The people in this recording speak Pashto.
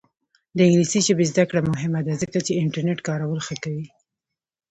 د انګلیسي ژبې زده کړه مهمه ده ځکه چې انټرنیټ کارول ښه کوي.